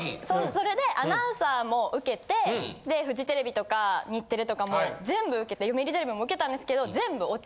それでアナウンサーも受けてフジテレビとか日テレとかもう全部受けて読売テレビも受けたんですけど。